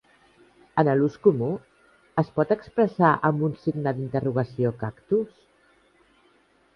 En el ús comú, es pot expressar amb un signe d"interrogació Cactus?